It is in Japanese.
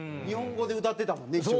日本語で歌ってたもんね